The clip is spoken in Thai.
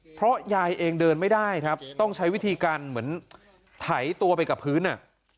เพราะยายเองเดินไม่ได้ครับต้องใช้วิธีการเหมือนไถตัวไปกับพื้นอ่ะ